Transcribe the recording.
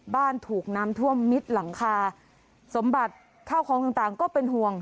ถูกน้ำท่วมมิดหลังคาสมบัติข้าวของต่างต่างก็เป็นห่วง